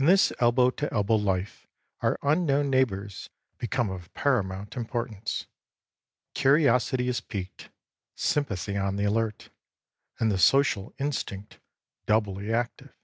In this elbow to elbow life our unknown neighbors become of paramount importance. Curiosity is piqued, sympathy on the alert and the social instinct doubly active.